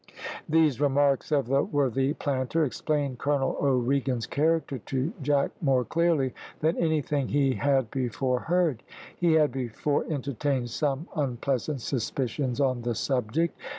These remarks of the worthy planter explained Colonel O'Regan's character to Jack more clearly than anything he had before heard. He had before entertained some unpleasant suspicions on the subject.